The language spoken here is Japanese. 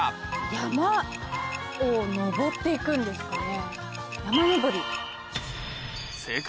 山を登っていくんですかね。